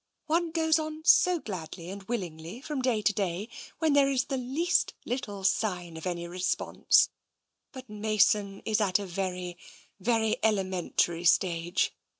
" One goes on so gladly and willingly from day to day when there is the least little sign of any response, but Mason is at a very, very elementary stage.